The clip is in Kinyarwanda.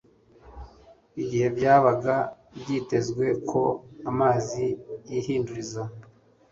Igihe byabaga byitezwe ko amazi yihinduriza,